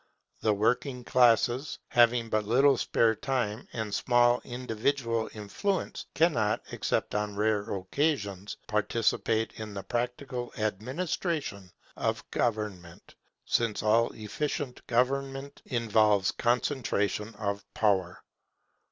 The working classes, having but little spare time and small individual influence, cannot, except on rare occasions, participate in the practical administration of government, since all efficient government involves concentration of power.